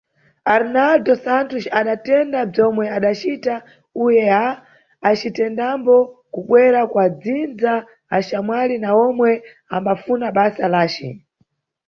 Arnaldo Santos adatenda bzwomwe adacita UEA, acitendambo kubwera kwa dzindza, axamwali na omwe ambafuna basa lace.